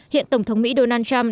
hiện tổng thống mỹ donald trump